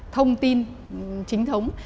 thông tin chính thống